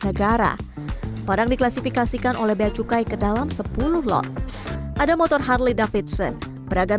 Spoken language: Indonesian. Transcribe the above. negara padang diklasifikasikan oleh beacukai ke dalam sepuluh lot ada motor harley davidson beragam